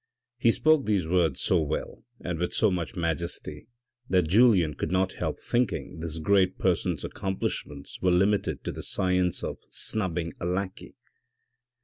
He spoke these words so well, and with so much majesty, that Julien could not help thinking this great person's accomplishments were limited to the science of snubbing a lackey.